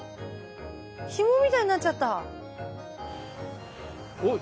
ひもみたいになっちゃった。